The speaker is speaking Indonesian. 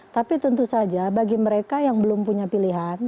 tapi tentu saja bagi mereka yang belum punya pilihan